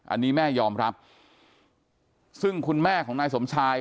อันนี้แม่ยอมรับซึ่งคุณแม่ของนายสมชาย